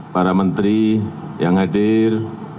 para menteri yang hadir